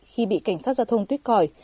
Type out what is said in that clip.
khi bị cảnh sát giao thông tuyết còi